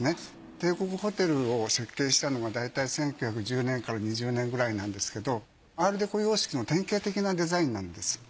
帝国ホテルを設計したのがだいたい１９１０年から１９２０年くらいなんですけどアール・デコ様式の典型的なデザインなんです。